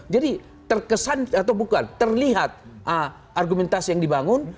jadi terkesan atau bukan terlihat argumentasi yang dibangun